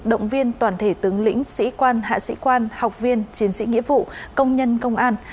động viên toàn thể tướng lĩnh sĩ quan hạ sĩ quan học viên chiến sĩ nghĩa vụ công nhân công an